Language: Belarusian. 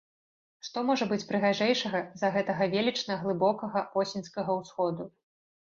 Што можа быць прыгажэйшага за гэтага велічна глыбокага восеньскага ўсходу?